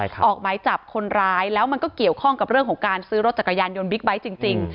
ออกหมายจับคนร้ายแล้วมันก็เกี่ยวข้องกับเรื่องของการซื้อรถจักรยานยนต์บิ๊กไบท์จริง